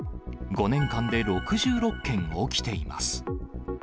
５年間で６６件起きています。